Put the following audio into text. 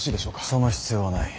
その必要はない。